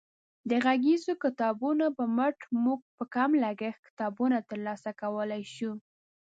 د غږیزو کتابونو په مټ موږ په کم لګښت کتابونه ترلاسه کولی شو.